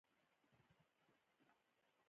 محمد یعقوب یو پياوړی بالر وو.